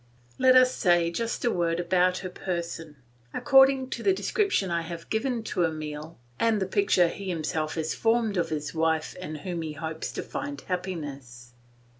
Let us say just a word about her person, according to the description I have given to Emile and the picture he himself has formed of the wife in whom he hopes to find happiness.